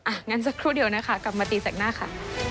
งั้นสักครู่เดียวนะคะกลับมาตีแสกหน้าค่ะ